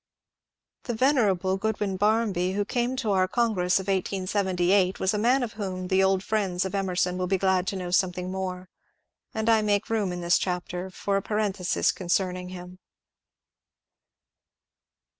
The venerable Goodwyn Barmby, who came to our Con BARMBT'S MEMORIES OF EMERSON 395 gress of 1878, was a man of whom the old friends of Emerson wiU be glad to know something more, and I make room in this chapter for a parenthesis concerning him.